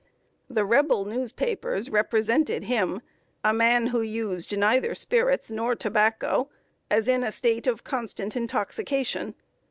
The Rebel newspapers represented him a man who used neither spirits nor tobacco as in a state of constant intoxication.